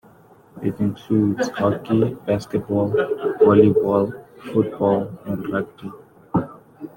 It includes; hockey, basketball, volleyball, football and rugby.